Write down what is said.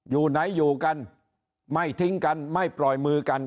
อยู่ไหนอยู่กันไม่ทิ้งกันไม่ปล่อยมือกัน